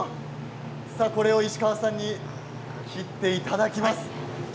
これを石川さんに切っていただきます。